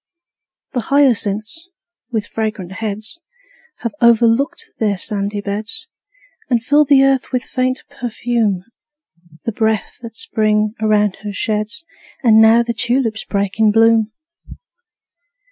The hyacinths, with fragrant heads, Have overflowed their sandy beds, And fill the earth with faint perfume, The breath that Spring around her sheds. And now the tulips break in bloom!